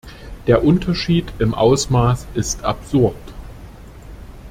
Der Unterschied im Ausmaß ist absurd.